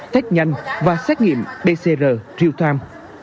thách nhân và xét nghiệm dcr triệu tham